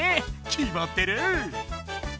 きまってる！